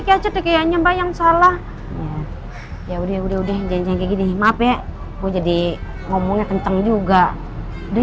ya udah udah udah jangan kayak gini maaf ya gue jadi ngomongnya kenceng juga udah